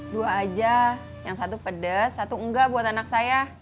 dua aja yang satu pedas satu enggak buat anak saya